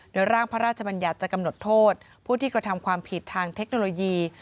โดยร่างพระราชบัญญัติจะกำหนดโทษผู้ที่กระทำความผิดทางเทคโนโลยี